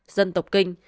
dân tộc kinh